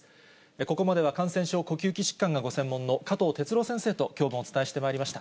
ここまでは、感染症、呼吸器疾患がご専門の、加藤哲朗先生ときょうもお伝えしてまいりました。